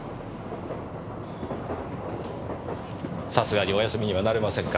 さすがにお休みにはなれませんか？